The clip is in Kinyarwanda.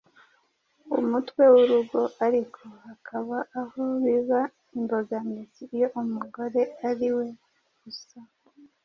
umutwe w’urugo, ariko hakaba aho biba imbogamizi iyo umugore ari we usa